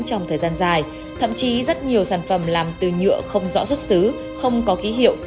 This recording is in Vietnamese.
trong thời gian dài thậm chí rất nhiều sản phẩm làm từ nhựa không rõ xuất xứ không có ký hiệu